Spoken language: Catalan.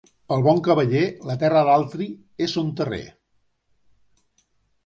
Pel bon cavaller la terra d'altri és son terrer.